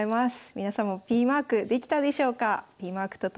皆さんもＰマークできたでしょうか？